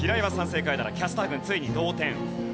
正解ならキャスター軍ついに同点。